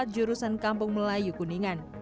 jurusan kampung melayu kuningan